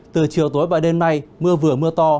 từ chiều tối và đêm nay mưa vừa mưa to